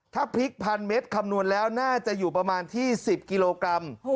ถ้าพริก๑๐๐เมตรคำนวณแล้วน่าจะอยู่ประมาณที่๑๐กิโลกรัม